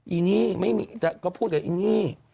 อีนี่ไม่มีแต่ก็พูดกับอีนี่